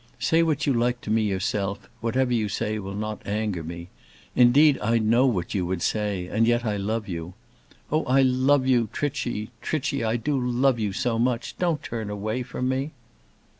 Say what you like to me yourself; whatever you say will not anger me. Indeed, I know what you would say and yet I love you. Oh, I love you, Trichy Trichy, I do love you so much! Don't turn away from me!"